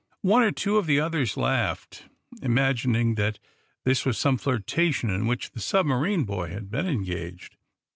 One or two of the others laughed, imagining that this was some flirtation in which the submarine boy had been engaged.